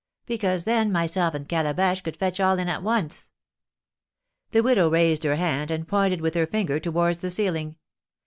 Because, then myself and Calabash could fetch all in at once." The widow raised her hand, and pointed with her finger towards the ceiling.